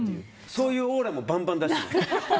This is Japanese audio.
そういうオーラもバンバン出してます。